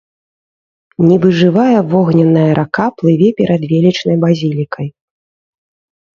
Нібы жывая вогненная рака плыве перад велічнай базілікай.